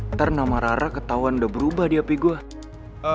ntar nama rara ketauan udah berubah di hp gue